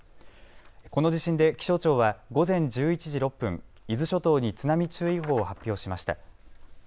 この地震で気象庁は午前１１時６分、伊豆諸島に津波注意報を発表しました。